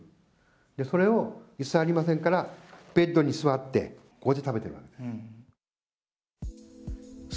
それをいすはありませんから、ベッドに座って、こうして食べてるわけです。